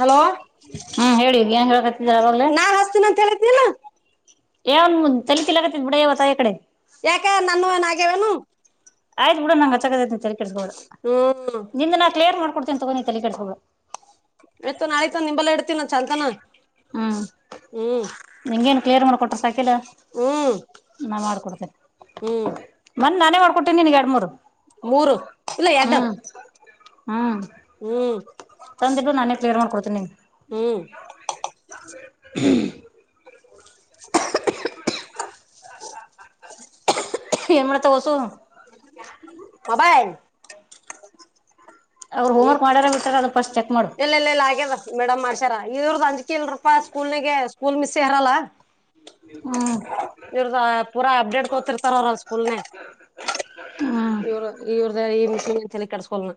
Hello ಹ್ಮ್ ಹೇಳ ಏನ್ ಹೇಳಕತ್ತಿದರ ಅವಲ್ಲೇ ನಾನ್ ಹಸ್ತೀನ ಅಂತ ಹೇಳಿದ್ನಿಲ್ಲ ಯಾವಂದ ತಲೆತಿಲಗತ್ತ ಬಿಡಯವ್ವ ಆಕಡೆ ಯಾಕ ನನ್ನ ನಾಗ್ಯವೇನು ಆಯ್ತು ಬಿಡು ನಂಗ ಹಚ್ಚದಂಗೈತೆ ನೀನು ತಲೆ ಕೆಡಿಸ್ಕೊಬೇಡ ಹ್ಮ್ ನಿಂದ ನಾ ಕ್ಲಿಯರ್ ಮಾಡಿಕೊಂಡೀತೀನಿ ತಕೊ ನೀನು ತಲೆ ಕೆಡಿಸ್ಕೊಬೇಡ ಸರಿ ಆಯ್ತು ನಿಂಬಲ್ಲೆ ಇಡ್ತೀನ ಚಲ್ತಾನ ಹ್ಮ್ ನಿಂಗೇನು ಕ್ಲಿಯರ್ ಮಾಡಿಕೊಟ್ರೆ ಸಾಕ ಯಕಿಲ್ಲ ಹ್ಮ್ ನಾ ಮಾಡ್ಕೊಡ್ತೇನೆ ಹ್ಮ್ ಮೊನ್ನೆ ನಾನೇ ಮಾಡ್ಕೊಡ್ಟ್ಟೀನಿ ನಿನ್ಗ್ ಎರಡು ಮೂರು ಮೂರು ಇಲ್ಲ ಎರಡು ಹ್ಮ್ ಹ್ಮ್ ಹ್ಮ್ ತಂದು ಈಡು ನಾನೇ ಕ್ಲಿಯರ್ ಮಾಡ್ಕೊಡ್ತೀನಿ ನಿಂಗ್ ಹ್ಮ್ ಹ್ಮ್ [inaudible] ಮತ್ತೆ ವಾಸು ಮೊಬೈಲ್ ಅವ್ರು ಈ ಹೋಮ್ವರ್ಕ್ ಮಾಡ್ಯಾರ ಬಿಟ್ಟಾರ ಅದು ಫಸ್ಟ್ ಚೆಕ್ ಮಾಡು ಇಲ್ಲ ಇಲ್ಲ ಇಲ್ಲ ಆಗ್ಯದ ಮೇಡಮ್ ಮಾಡ್ಸಯರ ಇವರ್ದ್ ಅಂಜ್ಕಿ ಇಲ್ರಪಾ ಸ್ಕೂಲ್ನಿಗೆ ಸ್ಕೂಲ್ ಮಿಸ್ ಇರಲ್ಲ. ಹ್ಮ್ ಇವರದ ಪೂರಾ ಅಪ್ಡೇಟ್ ತಗೋತಿರ್ತಾರ ಅವ್ರ ಸ್ಕೂಲೆ. ಹ್ಮ್ ಇವ್ರ ಇವ್ರ್ದ ಈ ಮಿಸ್ಸಿಂದ್ ಏನ್ ತಲೆಕೆಡಸ್ಕೊಲ.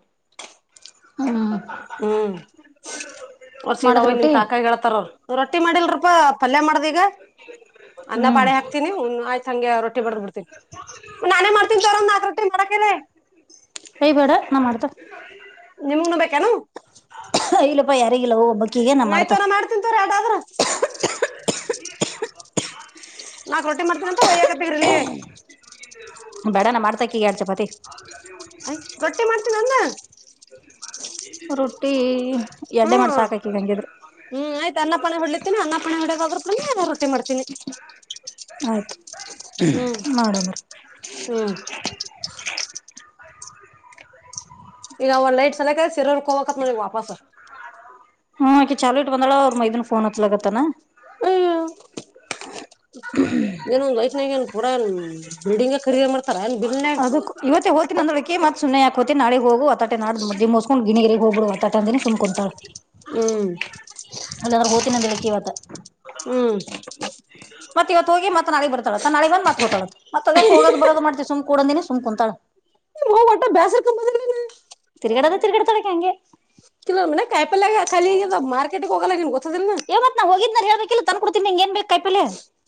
ಹಾ ಹ್ಮ್ ಅವ್ರ್ ಸೀದಾ ಮಾಡಿದ್ ಹೋಗಿ ನಿಮ್ ರೊಟ್ಟಿ ಕಾಕಾಗೆೇಳ್ತಾರ ಅವರ ರೊಟ್ಟಿ ಮಾಡಿಲ್ರಿಪಾ ಪಲ್ಯ ಮಾಡಿದೆ ಈಗ. ಅನ್ನ ಹ್ಮ್ ಪಾಳ್ಯ ಹಾಕ್ತನಿ ಹ್ಮು ಆಯ್ತ್ ಹಂಗೆ ರೊಟ್ಟಿ ಬಡದ್ ಬಿಡ್ತೀನಿ ನಾನೆ ಮಾಡ್ತೀನ್ ತಗೋ ನಾಕ್ [unintelligible] ಅಯ್ ಬ್ಯಾಡಾ ನಾ ಮಾಡ್ತೇನ್. ನಿಮಗುನು ಬೇಕೇನು. ಇಲ್ಲಪಾ ಯಾರಿಗಿಲ್ಲ ಹೋಗ್ ಒಬ್ಬಕ್ಕಿಗ ನಾ ಆಯ್ತು ಮಾಡ್ತನ್. ಮಾಡ್ತೀನಿ ತೋರ [inaudible] ನಾಕ್ ರೊಟ್ಟಿ ಮಾಡ್ತೀನಿ ಅಂತ ಒಯ್ಯಕತರೀಲ್ಲಿಯೇ. ಬ್ಯಾಡನ ನಾ ಮಾಡ್ತಾಕ್ಕಿಗ್ ಯಾಡ್ ಚಪಾತಿ. ರೊಟ್ಟಿ ಮಾಡ್ತನಿ ಅನ್ನು ರೊಟ್ಟಿ ಎಡ್ಡೆ ಹ್ಮು ಮಾಡಿ ಸಾಕಾಕಿಗೆ ಹಂಗಿದ್ರು ಹ್ಮು ಆಯ್ತ ಅನ್ನ ಪಲ್ಯ ಹೋಡ್ಲೆತೇನ್ ಅನ್ನ ಪಲ್ಯ ಹೊಡೆದ ಒಳ್ಳಗೇ ರೊಟ್ಟಿ ರೊಟ್ಟಿ ಮಾಡ್ತೀನಿ. ಆಯ್ತು ಹ್ಮ್ಮ್ ಮಾಡಂದ್ರ ಹ್ಮ್ಮ್ ಈಗ ಒಲೈಟ್ ಸಲಕ ಸಿರೋರ್ ಹೋಗಬೇಕತ್ತ್ ಮತ್ತೆ ವಾಪಾಸ್. ಹ್ಮ್ ಆಕಿ ಚಲೋ ಇಟ್ಕೊಂಡಾಳ್ ಅವ್ರ ಮೈದನ್ ಫೋನ್ ಹಚ್ಚಲಾಕತ್ತಾನಾ ಅಯ್ಯೋ ಹ ಏನ್ ಒಂದ್ ಲೈಪ್ನ್ಯಾಗ ಏನ್ ಪೂರ ಏನ್ ಬಿಲ್ಡಿಂಗ್ ಖರೀದಿ ಮಾಡ ಅದಕ್ ಇವತ್ತ ಹೋಯ್ತಿನ್ ಅಂದಳಕ್ಕಿ ಮತ್ತ್ ಸುಮ್ಮನೆ ಯಾಕ್ ಹೋತಿ ನಾಳೆ ಹೋಗು ವಾತಾಟೆ ನಾಡದ್ ಮದುವಿ ಮಗಸ್ಕೊಂಡು ಗಿನಿಗೇರಿಗೆ ಹೋಗಬಿಡು ವಾತಾಟೆ ಅಂದಿನ ಸುಮ್ ಕುಂತಾಳ. ಹ್ಮು ಅಲ್ಲಂದ್ರ ಹೊತ್ತಿನಂದಿಳ್ ಅಕ್ಕಿ ಇವತ್ತ್. ಹ್ಮ್ ಮತ್ತ್ ಇವತ್ತ ಹೋಗಿ ಮತ್ತ್ ನಾಳಿಗಿ ಬರ್ತಾಳ ತನ್ನ ನಳೆಗೆ ಬಂದ್ ಮತ್ತ್ ಹೋಗ್ತಾಳ್ ಅಂತ ಮತ್ತ್ ಅವ್ಯಾಕ್ ಹೋಗೋದು ಬರೋದು ಮಾಡ್ತಿ ಸುಮ್ ಕುಡೋಂದಿನ ಸುಮ್ ಕೂಡ ಅಂದಿನಿ ಸುಮ್ ಕುಂತಾಳ್. [unintelligible] ಬ್ಯಾಸರಕಿ ಬಂದತ್ತಿ ಇಲ್ಲಿ. ತಿರ್ಗಯಾಡೋದ್ ತಿರ್ಗಯಾಡ್ತಾಳ್ ಅಕ್ಕಿ ಹಂಗೆ. [unintelligible] ಕಾಯಿಪಲ್ಯಾಗ್ ಖಾಲಿ ಆಗಿದಾವ್ ಮಾರ್ಕೆಟ್ ಹೋಗಲ್ಲ [unintelligible] ಇವತ್ ನಾ ಹೋಗಿದ್ನ ಹೇಳ್ಬೇಕ ಇಲ್ಲ ತಂದ ಕೊಡ್ತೀದ್ನಿ ನಿಂಗ ಏನ್ ಬೇಕ್ ಕಾಯಿಪಲ್ಲೆ.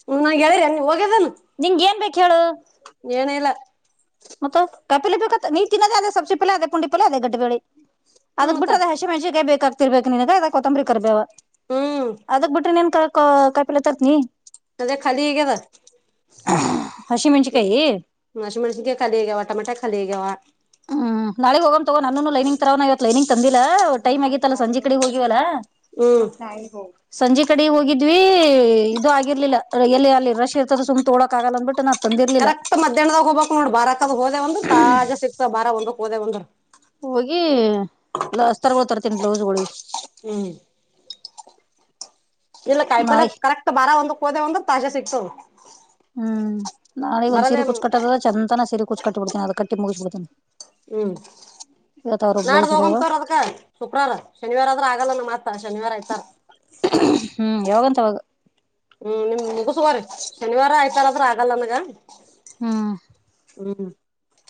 ಹ್ಮ್ ನಾ ಹೇಳಿರಿ ಹಂಗ ಹೋಗ್ಯದನ ನಿಂಗ್ ಏನ್ ಬೇಕ್ ಹೇಳು ಏನ ಇಲ್ಲ ಮತ್ತ ಕಾಯಿಪಲ್ಲೇ ಬೇಕತ್ತ ನೀ ತಿನ್ನದ ಅದ ಸಬ್ಸಿ ಪಲ್ಯ ಅದೆ ಪುಂಡಿ ಪಲ್ಯ ಅದೆ ಗಡ್ಡೇ ಬೇಳೆ. ಹ್ಮ್ ಅದಕ್ ಮತ್ತ ಬಿಟ್ರದ ಹಸೆಮೆಣಸಿಕಾಯ ಬೇಕಾಗ್ತಿರ್ಬೇಕ ನಿನಗ್ ಅದಕ್ಕ ಕೊತ್ತಂಬರಿ, ಕರ್ಬೇವ ಹ್ಮ್ ಅದಕ್ ಬಿಟ್ರ ನಿಂತೇಕ ಕಾಯಿಪಿಲ್ಲೆ ತರ್ತಿ. ಅದೇ ಖಾಲಿ ಆಗ್ಯದ. ಹಸಿ ಮೆನ್ಸಿಕಾಯಿ. ಹಸಿಮೆಣಸಿನ್ಕಾಯಿ ಖಾಲಿ ಆಗ್ಯಾವ ಟಮೆಟೊ ಖಾಲಿ ಆಗ್ಯಾವ. ಹ್ಮು ನಾಳಿಗ್ ಹೋಗೊನ್ ತಗೋ ನನ್ನನ್ನು ಲೈನಿಂಗ್ [unintelligible] ಲೈನಿಂಗ್. ತಂದಿಲ್ಲ ಟೈಮ್ ಆಗಿತ್ತಲ್ಲ ಸಂಜಿಕಡಿ ಹೋಗಿವಲ್ಲ. ಹ್ಮ್ ಸಂಜಿಕಡಿ ಹೋಗಿದ್ವಿ ಇದು ಆಗಿರ್ಲಿಲ್ಲ ಎಲ್ಲಿ ಅಲ್ಲೆ ರಶ್ ಇರ್ತದೆ ಸುಮ್ ತಗಳೋಕ್ ಆಗಲ್ಲ ಅಂದ್ಬಿಟ್ಟು ನಾ ತಂದಿರ್ಲಿಲ್ಲ ಕರೆಕ್ಟ್ ಮಧ್ಯಾಹ್ನದಾಗ ಹೋಗಬೇಕ್ ನೋಡ್ರ ಬಾರಾಕದ ಹೋದೆವ್ ಅಂದ್ರ ತಾಜಾ ಸಿಕ್ತಾವ್ ಬಾರಾ ಒಂದಕ್ ಹೋದೆವ್ ಅಂದ್ರ. ಹೋಗಿ ಅಸ್ತರ್ಗಳ್ ತರ್ತನ್ ಬ್ಲೌಸ್ಗೊಳಿಗಿ. ಹ್ಮು ಇಲ್ಲ ಕಾಯಿಪಲ್ಲೆ ನಾಳೆ ಕರೆಕ್ಟ್ ಬಾರಾ, ಒಂದಕ್ ಹೋದೆವ್ ಅಂದ್ರ ತಾಜಾ ಸಿಕ್ತಾವ್. ಹ್ಮ್ ನಾ ಈ ಒಂದ ಸೀರೆ ಕುಚಟ್ಟೋದ ಚಂದನ ಸೀರೆ ಕುಚ್ ಕಟ್ಟಿಬ ಬಿಡ್ತೇ ಅದ ಕಟ್ಟ ಮುಗಿಸಿ ಬಿಡ್ತನಿ ಹ್ಮ್ ಬ್ಲೌಸ್ ನಾಡ್ದ ಹೊಲಿಯವ ಹೋಗಂಬತಾರ ಅದ್ಕ ಶುಕ್ರಾರ ಶನಿವಾರ ಆದ್ರ ಆಗಲ್ಲ ನಮ್ಮ ಮಾತ್ತ ಶನಿವಾರ ಆಯ್ತಾರ ಹ್ಮ್ ಹೊಗಂತಾವಾಗ ಹ್ಮ್ ನಿಮ ಮುಗ ಸುಮಾರ ಶನಿವಾರ ಆಯ್ತಾರ ಆದ್ರ ಆಗಲ್ಲ ನನಗ ಹ್ಮ ಹ್ಮ್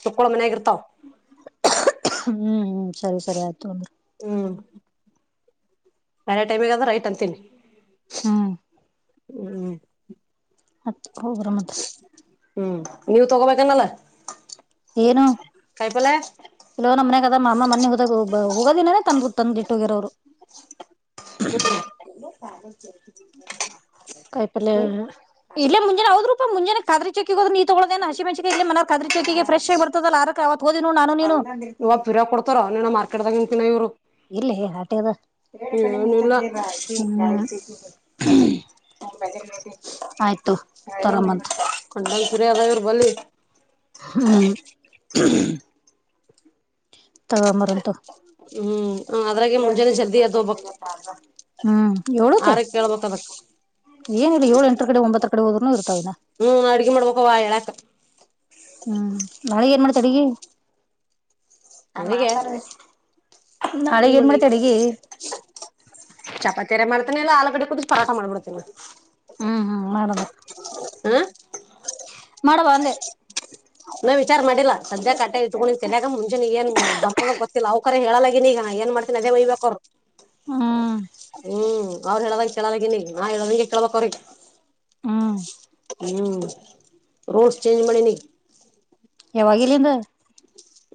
ಚುಕ್ಕಳ ಮನ್ಯಾಗ ಇರ್ತಾವ ಹ್ಮ್ ಹ್ಮ್ ಸರಿ ಸರಿ ಆಯ್ತು ಅಂದ್ರೆ ನಳೆ ಟೈಮಗ ಅ ಆದ್ರೆ ರೈಟ್ ಅಂತೀನಿ ಹ್ಮ್ ಹ್ಮ್ ಹೋಗ್ಬರಂ ಮತ್ತೆ ಹ್ಮ್ ನೀವ ತಗೋಬೇಕನಲ್ಲ ಏನು ಇಲವ ನ ಮನೆಯಾಗದ ಅಮ್ಮ ಮನೆ ಹೋದಾಗ ಹೋಗೋದಿನನನೆ ತಂದ ಗ ತಂದಿಟ್ಟೋಗಿರ ಅವರು ಕಾಯಿಪಲ್ಯ ಇಲ್ಲೇ ಮುಂಜಾನೆ ಹದ್ ರೂಪಾಯ ಮುಂಜಾನೆ [unintelligible] ಹಸಿಮೆಣಸಿನಕಾಯಿ ಇಲೇ ಮನೆಗೆ ಫ್ರೆಶ್ ಆಗಿ ಬರ್ತದಲ್ಲ ಅರಕ ಅವತ್ ಹೋದಿ ನ ನಾನು ನೀನು ಇವ ಪಿರ ಕೊಡ್ತಾರ ನೀನ ಮಾರ್ಕೆಟ್ದಾಗನ್ಕಿನ ಇವ್ರು [unintelligible] ಇಲ್ಲ ಆಟೆಗೆದ ಏನಿಲ್ಲ ಆಯ್ತು ತರ ಮಂತ [unintelligible] ಇದ್ರ ಇರು ಬಲಿ ಹ್ಮ ತಗ ಮರಂತ ಹ್ಮ್ ಅದ್ರಾಗೆ ಮುಂಜಾನೆ ಜಲ್ದಿ ಎದು ಹೋಗಬೇಕು ಹ್ಮ್ ಏಳಕ್ಕ ಏನಿಲ್ಲ ಏಳು ಎಂಟ ಕಡೆ ಒಂಬತ್ತ ಕಡೆ ಹೋದ್ನು ಇ ಹ್ಮ್- ಅಡ್ಗೆ ಮಾಡ್ಬೇಕವಾ ಹೇಳಾಕ ಹ್ಮ್- ನಾಳೆ ಏನ್ ಮಾಡ್ತ ಅಡಗಿ ನಾ- ಅದಗೆ ಮಾತಾಡ ನಾಳೆಗೆ ಏನ್ ಮಾಡತೆ ಅಡಗಿ ಚಪಾತಿಯರಿ ಮಾಡ್ತಾನ ಇಲ್ಲ ಆಲಗಡೆ ಕುೂಡು ಪರಾಟ ಮಾಡಬಿಡ್ತೇನಿ. ಹ ಹ್ಮ ಮಡವಾಂದ ನ- ವಿಚಾರ ಮಾಡಿಲ್ಲ ಸದ್ಯಾಕ ಆಟ ಇಟ್ಕೊಂಡಿ ಕೆಲಯಾಗ ಮುಂಚೆ ಏನ್ ಬರ್ಬೋ ಗೊತ್ತಿಲ್ಲ ಅವ್ ಕರ ಹೇಳ. ಈಗ ಏನ್ ಮಾಡ್ತೀನಿ ಅದೇ ಮಯ್ಬೇಕ ಅವರು- ಹ್ಮ್ ಹ್ಮ್- ಅವ್ರ್ ಹೇಳದ ಕೇಳದಗನಿ ನಾ ಹೇಳದಗೆ ಕಳ್ಬ್ರಿ ಹ್ಮ್ ಹ್ಮ್- ರೋಡ್ಸ್ ಚೇಂಜ್ ಮಾಡಿ -ನೀ ಯಾವಾಗ ಇಲ್ಲಿಂದ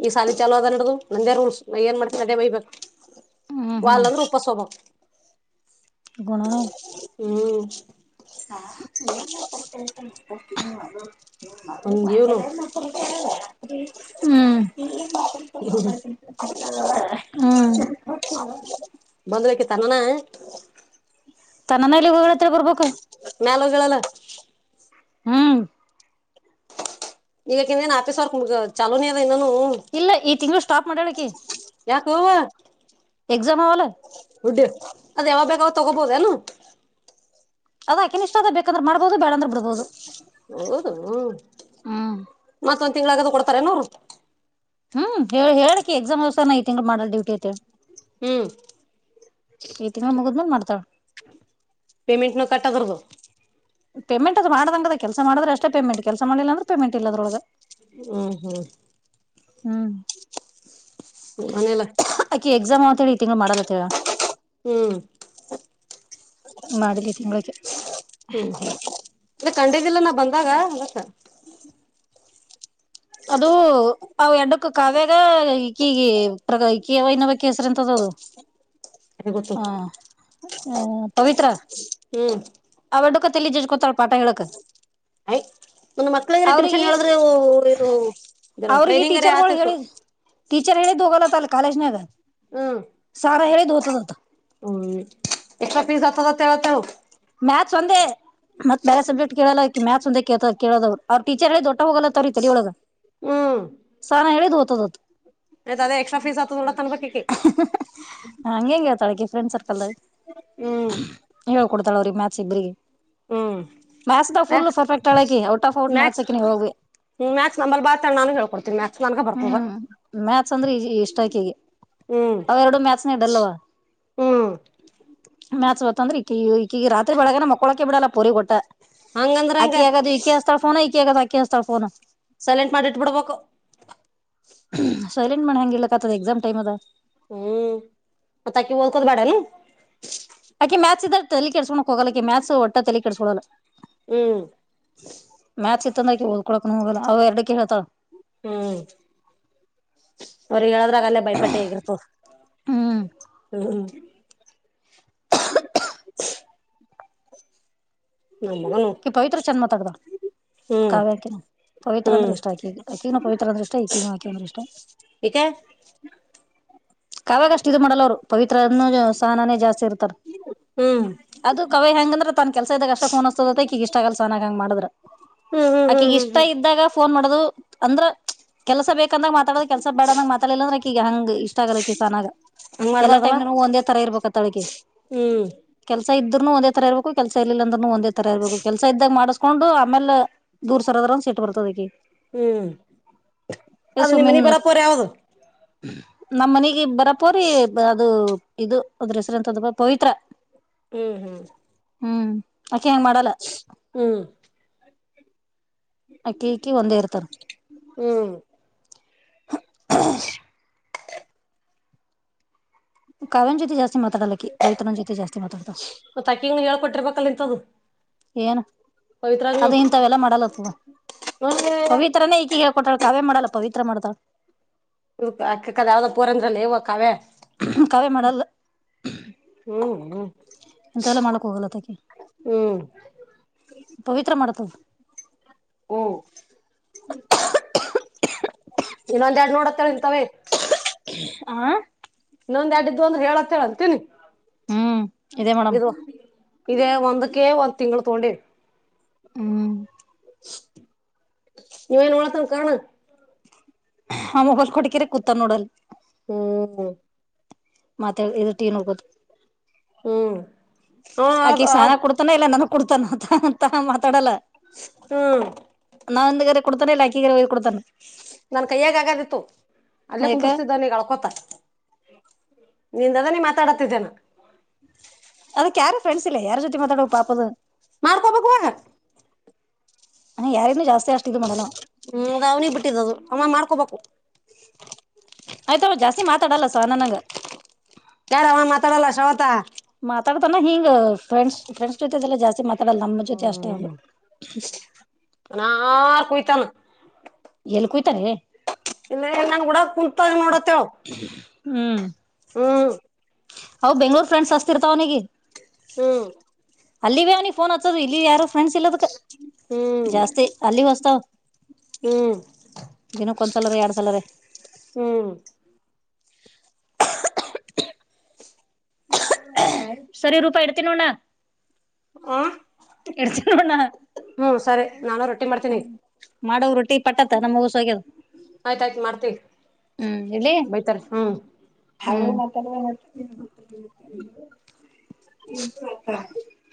ಈ -ಸಾಲ ಚಾವ ಅದ ಅದದು ನಂದೇ ರೂಲ್ಸ್ ನ -ಏನ್ ಮಾಡ್ತೀ ಅದೇ ಮಯ್ಬೇಕು ಹ್ಮ್ ವಳ್ಳದ ಉೂಪ ಸೋಭಂ ಗುಣಾನ ಹ್ಮ್ ಸಾಹ -ಅ ಹಂಗ ಇವ್ನು -ಕತ -ಅ- ಹ್ಮ್ ಹ್ಮ್ ಕಣಣ ತನ್ನಂದಲಿ ಗೂಗಳು ಎತ್ತ ಪೊಬೇಕಕ್ಕು ಮ್ಯಾಲಗಳಲ್ಲ. ಹ್ಮ್ ಈಗಕ -ನ್ -ಆಪೀಸ್ ಚಲೋ ಅದ ಇನ್ನೊ ಇಲ್ಲ ಈ ತಿಂಗಳು ಸ್ಟಾಪ್ ಮಾಡಳಕಿ ಯಾಕುವ ಎಕ್ಸಾಮ್ ಅವಲ್ಲ ಹುಡ್ಡ ಅದ ಯಾವ ಬೇಕಾವ ತಗೋಬೋದ ಅದಾಕೆ ಇಷ್ಟ ಅದ ಬೇಕಂದ್ರೆ ಮಾಡಬುದು ಬೇಡಂದ್ರೆ ಬಿಡ್ಬಹುದು. ಹೌದು -ಹ ಹ್ಮ್ -ಮತ್ತೊಂದ್ ತಿಂಗಳಾಗದು ಕೊಡ್ತಾರನೋರು ಅವರು ಹ್ಮ್ -ಹೇಳ ಹೇಳಕಿ ಎಕ್ಸಾಮ್ ದಸ ನಐ ತಿಂಗ್ ಮಾಡಲ್ ಡ್ಯೂಟಿ ಐತೆ. ಹ್ಮ್ ಈ- ತಿಂಗ ಮುಗದ್ಮೇಲ್ ಮಾಡ್ತಾಳ ಪೇಮೆಂಟ್ನು ಕಟ್ಟದ್ರದದು ಪೇಮೆಂಟ್ ಅದು ಮಾಡಂಗದ ಕೆಲಸ ಮಾಡಿದ್ರೆಷ್ಟೇ ಪೇಮೆಂಟ್ಲ್ಸ ಮಾಡಿಲ್ಲ ಅಂದ್ರೆ ಪಮೆಂಟ್ ಇದೊಳಗೆ ಹ್ಮ -ಹ್ಮ್ ಹ್ಮ್ ಮನಲ್ಲ ಆಕಿ ಎಕ್ಸಾಮ್ ಈ- ತಿಂಗ ಮಾಡಲ್ಲತ್ತ ಹೇಳ ಹ್ಮ್ ಮಾಡಲಿ ತಿಂಳಗ ಕೀ ಹ್ಮ್ -ಅ್ರ- ಕಂಡದಿಲ್ಲ- ನಾ -ಬಂದಾಗ ಅದಕ್ಕ ಕಿ ಅದು ಅವ ಎಡ್ಡಕ್ಕ ಕಾವ್ಯಾಗ ಈಕೀಗ- ಪ್ರ- ಈಕಿವ ಇನ್ನ ಬಕ್ ಹೆಸ್ರ ಅಂತದ ಅದು. ಹೆ- ಕತ ಹ ಹ್ಮ -ಪವಿತ್ರ ಹ್ಮ್ ಜಜ್ಕೊತಾಳ ಪಾಠ ಹೇಳಕ್. ಆಯ್ ಒಂದು ಮಕ್ಳಗ್ರ ಟ್ಯೂಷನ್ ಹೇಳಿದರು ಅವ್ರಿಗೆ ಟೀಚರ್ಗಳು ಹೇಳಿ ಟೀಚರ್ ಹೇಳಿದ್ ಹೋಗಲತ್ತ ಅಲ್ಲ ಕಾಲೇಜ್ನಾಗ. ಹ್ಮ್ ಸಾರ ಹೇಳಿದ್ ಹೋತದತ್ತ -ಹ್ಮ್ -ಎ್ರ- ಪೀಸ್ ಹಾಗ್ತಿವತವು ಮ್ಯಾಥಸ್ ಒಂದೇ ಮತ್ತ ಬೇರೆ ಸಬ್ಜೆಕ್ಟ್ ಕೇಳಲ್ಲ ಅಕ್ಕಿ ಒಂದ ಕೇಳದವ್ ಅವ್ರ ಟೀಚರ್ ದೊ ಹೋಗಲ್ಲ ತೆಲಿ ಒಳಗ ಹ್ಮ್ ಸರ್ ಹೇಳಿದ ಹೋಗ್ತದತ್ ಆಯ್ತ ಅದೇ ಎಕ್ಸ್ಟ್ರಾ ಫೀಸ್ ಹತ್ತದ ನೋಡ ಅನ್ಬೇಕಿಕಿ ಹಂಗೆ ಹೆಂಗಗೆ ಹೇಳ್ತಾಳಕ್ಕೆ ಫ್ರೆಂಡ್ ಸರ್ಕಲ್ ಹ್ಮ್ ಹೇಳ್ ಕೊಡ್ತಳ ಅವ್ರಗಿ ಗೆ ಮ್ಯಾತ್ಸ ಇಬ್ರಿಗೆ ಹ್ಮ್ ಮ್ಯಾತ್ಸ ಫುಲ್ ಮ್ಯಾಕ್ಸ್ ಪರ್ಫೆಕ್ಟ್ ಆಳಕಿ ಔಟ್ ಆಫ್ ಔಟ್ ಮ್ಯಾಥಸ್ಕ ನೀ ಯಾವಾಗ್ ಬಿ ಹ್ಮ ಮ್ಯಾತ್ಸ ನಂಬಲ್ ಬಾ ಅಂತ ನಾನು ಹೇಳ್ಕೊಡ್ತೀನ ಹ್ಮ್ ಮ್ಯಾತ್ಸ ಅಂದ್ರೆ ಇಷ್ಟ ಆಕೆಗೆ ಹ್ಮ್ ಅವೆರಡು ಮ್ಯಾತ್ಸ ಡಲ್ವಾ ಹ್ಮ್ ಮ್ಯಾತ್ಸ ಹೊತ್ತಂದ್ರೆ ಈ ಈಕಗ ರಾತ್ರಿ ಬೆಳಗನ ಮಕ್ಕೋಳಕೆ ಬಿಡಲ್ಲ ಪೋರಿಗಿ ವಟ್ಟ ಹಂಗಂದ್ರ ಹಂಗ ಆಕ್ಕಿ ಆಗದು ಈಕೀ ಹಚ್ಚತಾಳಫೋನ ಈಕಿ ಆಗ ಆಕ್ಕಿ ಹಚ್ಚತಾಳ ಫೋನ್ ಸೈಲೆಂಟ್ ಮಾಡಿ ಇಟ್ಬಿಡ್ಬೇಕು ಸೈಲೆಂಟ್ ಮಾಡಿ ಹೆಂಗ ಇಬಲ್ಲಾಕತ ಎಕ್ಸಾಮ ಟೈಮ ಅದ ಹ್ಮ್ ಮತ್ತ ಅಕ್ಕಿ ಓದಕೋದ ಬೇಡ ಏನ್ ಅಕಿ ಮ್ಯಾತ್ಸ ಇದಾಗ ತಲೆ ಕೆಡ್ಸ ಹೋಗಲ್ಲಕ ಮ್ಯಾತ್ಸ್ ಒಟ್ಟ ತಲೆ ಕೆಡಕೊಡಲ್ಲ ಹ್ಮ್ ಮ್ಯಾತ್ಸ ಇತ್ತಂದ್ರ ಓದಕೊಳಕ ಹೋಗಲ್ಲ ಅವ ಎರಡ ಕೆ ಹಳ್ತಾ ಹ್ಮ್ ಅವರಿಗೆ ಇದಾಗಲ್ಲೇ ಬೈಯಪಾಟ್ಟೆ ಆಗಿರ್ತದ ಹ್ಮ್ ಹ್ಮ [unintelligible] ಅಕಿ ಪವಿತ್ರ ಚೆಂದ ಮಾತಾಡಿದಾ ಹ್ಮ್ ಕಾವ್ಯಾಕಿನ ಪವಿತ್ರ ಹ್ಮ್ ಅಂದ್ರೆ ಇಷ್ಟ ಆಕಿ ಅಕಿಗನ ಪವಿತ್ರ ಅಂದ್ರೆ ಇಷ್ಟ ಈಕ್ಕಿಗೂ ಆಕೆ ಅಂದ್ರೆ ಇಷ್ಟಾ. ಎಕ ಕಾವ್ಯಾಗ ಅಷ್ಟ್ ಇದು ಮಾಡಲ್ಲ ಅವ್ರು ಪವಿತ್ರನು [unintelligible] ಹ್ಮ್ ಅದು ಕಾವ್ಯ ಹೆಂಗ ಅಂದ್ರ ತನ್ ಕೆಲ್ಸ ಇದ್ದಾಗ ಅಷ್ಟ ಫೋನ್ ಹಚ್ಚು ದತ್ತ ಅದು ಇಷ್ಟಾ ಆಗಲ್ ಸಹನ್ನಾಗ ಹಂಗ ಮಾಡ್ರ ಹ್ಮ್ ಹ್ಮ್ ಆಕಿ ಹ್ಮ್ ಹ್ಮ್ ಇಷ್ಟಾ ಹ್ಮ್ ಇದ್ದಾಗ ಫೋನ್ ಮಾಡೋದು ಅಂದ್ರ ಕೆಲ್ಸ ಬೇಕಂದಾಗ ಮಾತಾಡೋ ಕೆಲ್ಸ ಬೇಡ ಅಂದಂಗ ಮಾತಾಲಿಲ್ಲ ಅಂದ್ರ ಈಗ ಹಂಗ ಇಷ್ಟ ಇಷ್ಟ ಆಗಲ್ ಹಂಗ್ ಸಹನಾಗಎಲ್ಲ ಮಾಡ್ಬಾರ್ದವ ಟೈಮ್ ನಾಗು ಒಂದೇ ತರ ಇರ್ಬೇಕ ಅಂತಾಳಕಿ ಹ್ಮ್ ಕೆಲ್ಸಾ ಇದ್ರೂ ಒಂದ ತರಬೇಕು ಕೆಲಸ ಇಲ್ ಅಂದ್ರೂ ಒಂದೇ ತರಾ ಇರಬೇಕು ಕೆಲಸ ಇದ್ದಾಗ ಮಾಡಸ ಕಕೊಂಡು ಆಮೇಲೆ ದೂರ್ ಸರ್ದ್ರ ಅಂದ್ರ ಸೀಟ್ ಬರ್ತದ ಆಕಿಗಿ ಹ್ಮ್ ಅದು ನಿಮ್ಮ ಸುಮ್ಮಿನ್ ನೀಮ್ಮ ಬರತ್ತರ ಯಾವ್ದ ನಮ್ಮ್ ಮನಗೆ ಬರಪೋರಿ ಅದು ಇದು ಅದ್ರ ಹೆಸರು ಅಂತದ ಪವಿತ್ರಾ ಹ್ಮ್ ಹ್ಮ್ ಹ್ಮ್ ಆಕೆ ಹಂಗ ಮಾಡಲ್ಲ ಹ್ಮ್ ಅಕ್ಕಿ ಇಕ್ಕಿ ಒಂದೇ ಇರ್ತಾರ ಹ್ಮ್ ಇಲ್ಲ ಕಾವ್ಯ ನ್ ಜೊತಿ ಜಾಸ್ತಿ ಮಾತಾಡಲಕ್ಕಿ ಪವಿತ್ರನ ಜೊತೆ ಜಾಸ್ತಿ ಮಾತಾಡ್ತಳ ಮತ್ತ ಅಕ್ಕಿಗ್ನು ಹೇಳ್ಕೊಟ್ಟಿರ್ಬೇಕಲ್ ಇಂತದ್ದು ಏನು ಪವಿತ್ರಾಗನು ಅದ ಇಂಥವೆಲ್ಲ ಮಾಡಲ್ಲತ್ತದ ಪವಿತ್ರನೇ ಈಕಿ ಹೇಳ್ಕೊಟ್ಟಾಳ ಕಾವ್ಯ ಮಾಡಲ್ಲ ಪವಿತ್ರ ಮಾಡ್ತಾಳ ಇ ಅಕಕ್ಕದ ಯಾವ್ದ ಪೋರಿ ಅಂದ್ರಲ್ಲ ಎವ್ವ ಕಾವ್ಯಾ ಕಾವೇ ಮಾಡಲ್ಲ ಹ್ಮ್ ಹ್ಮ್ ಎಂತವೆಲ್ಲಾ ಮಾಡಕ್ ಹೋಗಲ್ಲತಕೀ ಹ್ಮ್ ಪವಿತ್ರ ಮಾಡ್ತದ ಹ್ಮ್ ಇನ್ನೊಂದ ಎರಡ್ ನೋಡ್ತ್ ಇತ್ತಾವೆ ಆ ಇನ್ನೊಂದ ಎಡ್ ಇದೂ ಅಂದ್ರೆ ಹೇಳತ್ತ ಹೇಳಂತೀನಿ ಹ್ಮ್ ಇದೇ ಮೇಡಮ್ ಇರು ಇದೇ ಒಂದಕ್ಕೆ ಒಂದು ತಿಂಗಳು ತಗೊಂಡವಿ ಹ್ಮ್ ನೀವೇನುಓತಾನ್ ಕರ್ಣ ಆ ಮೊಗಲ್ ಕೊಡ್ಕಿರ ಕೂತ ನೋಡಲ್ ಹ್ಮ್ ಹೂ [unintelligible] ಹ್ಮ್ ಹ್ಮ ಅದ್ ಅಕಿಗ ಸಾಲಾ ಅದ್ ಕೊಡ್ತಾನ ಇಲ್ಲ ನನ ಕೊಡ್ತಾನ ಅಂತ ಮಾತಾಡಲ್ಲ ಹ್ಮ ಕೊಡ್ತಾನೆ ಇಲ್ಲರಾ ಅಕ್ಕಿಗ ವೈದು ಕೂಡ್ತಾನ ನನ್ ಕೈಯ್ಯಾಗ ಆಗಾದಿತ್ತು ಅಲ್ಲೇ ಯಾಕ ಕುಂದ್ರಸ್ತಿದ್ದಾನಗ ಅಳ್ಕೊತ ನಿಂದದ ನೀ ಮಾತಾಡತಿದ್ದೇನ ಅದಕ ಯಾರ ಫ್ರೆಂಡ್ಸ್ ಇಲ್ಲ ಯಾರ ಜೊತೆ ಮಾತಾಡಬೇಕು ಪಾಪ ಅದು ಮಾಡ್ಕೋಬೇಕು ಇವಾಗ ಅ ಯಾರನ್ನೂ ಜಾಸ್ತಿ ಅಷ್ಟ ಇದು ಮಾಡಲ್ಲ ಅವ್ವ ಹ್ಮ ಅವ್ನಿ ಬಿಟ್ಟಿದ್ದದು ಅವ ಮಾಡ್ಕೋಬೇಕು ಆಯ್ತ ಜಾಸ್ತಿ ಮಾತಾಡಲ್ಲ ಸ ನನ್ಗ ಯಾರ್ ಅವ ಮಾತಾಡಲ್ಲ ಶವಂತ ಮಾತಾಡ್ತಾನ ಹಿಂಗ ಫ್ರೆಂಡ್ಸ್ ಫ್ರೆಂಡ್ಸ್ ಜೊತೆದೆಲ್ಲ ಜಾಸ್ತಿ ಮಾತ ಆಡಲ್ಲ ನಮ್ಮ ಜೊತೆ ಅಷ್ಟ ಅದು ಮನಾರ್ ಕುಯತಾನ ಎಲ್ಲಿ ಕುಯ್ತಾನೆ ಇಲ್ಲ ನನ್ ಕೂಡ ಕುೂಂತ ನೋಡ ಅಂತ ಹೇಳು ಹ್ಮ್ ಅವ ಬೆಂಗ್ಳೂರ್ ಫ್ರೆಂಡ್ಸ್ ಹಚ್ತಿರ್ತಾವ್ ಅವನಿಗೆ ಹ್ಮ್ ಅಲ್ಲಿ ವೆ ಅವ್ನಿಗ ಫೋನ್ ಹಚ್ಚೋದು ಇಲ್ಲಿ ಯಾರೋ ಫ್ರೆಂಡ್ಸ್ ಇಲ್ಲದ ಹ್ಮ್ ಜಾಸ್ತಿ ಅಲ್ಲಿವ ಹಚ್ತವ್ ಹ್ಮ್ ದಿನಕ್ಕ ಒಂದ್ಸಲರ ಎರಡ್ ಸಲರ ಹ್ಮ್ ಸರಿ ರೂಪಾ ಇಡ್ತಿನ್ ನೋಡ್ನಾ ಆ [unintelligible] ಹ್ಮ್ ಸರಿ ನಾನು ರೊಟ್ಟಿ ಮಾಡ್ತೀನಿ ಟ್ಟಿ ಪಟ್ಟತ್ತ ನಮಗೂ ಹೊಸ ಆಗ್ಯದ ಬೈತಾರ ಹ್ಮ [unintelligible]